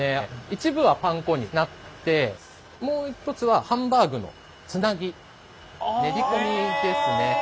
一部はパン粉になってもう一つはハンバーグのつなぎ練り込みですね。